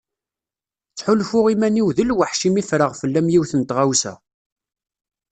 Ttḥulfuɣ iman-iw d lwaḥc imi ffreɣ fell-am yiwet n tɣawsa.